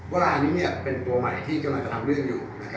ว่าอันนี้เนี่ยเป็นตัวใหม่ที่กำลังจะทำเรื่องอยู่